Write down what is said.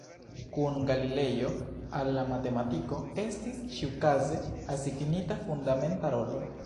Kun Galilejo al la matematiko estis ĉiukaze asignita fundamenta rolo.